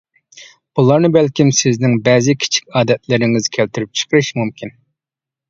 بۇلارنى بەلكىم سىزنىڭ بەزى كىچىك ئادەتلىرىڭىز كەلتۈرۈپ چىقىرىشى مۇمكىن.